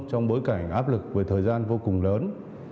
trong bối cảnh áp lực về thời gian vô cùng lớn